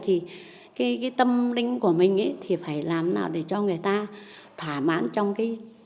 thì cái tâm linh của mình thì phải làm nào để cho người ta thỏa mãn trong gia đình người ta